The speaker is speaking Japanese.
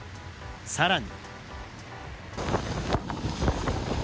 さらに。